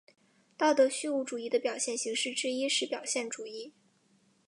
道德虚无主义的表达形式之一是表现主义。